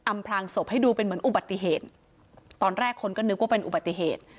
พลางศพให้ดูเป็นเหมือนอุบัติเหตุตอนแรกคนก็นึกว่าเป็นอุบัติเหตุ